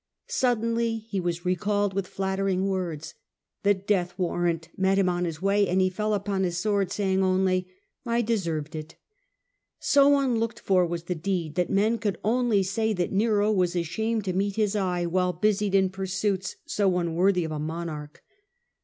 Suddenly he was recalled with flattering words. The death warrant met him on his way, and he fell upon his sword, saying only, < I de served it.^ So unlooked for was the deed that men could only say that Nero was ashamed to meet his eye while busied in pursuits so unworthy of a monarch.